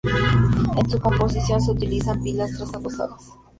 En su composición se utilizan pilastras adosadas.